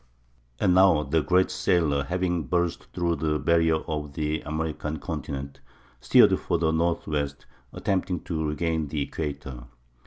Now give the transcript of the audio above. And now the great sailor, having burst through the barrier of the American continent, steered for the northwest, attempting to regain the equator.